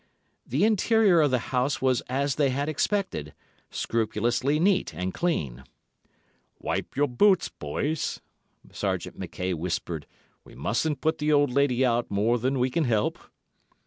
The interior of the house was as they had expected—scrupulously neat and clean. "Wipe your boots, boys," Sergeant Mackay whispered. "We mustn't put the old lady out more than we can help."